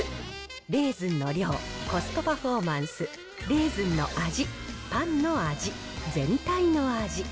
レーズンの量、コストパフォーマンス、レーズンの味、パンの味、全体の味。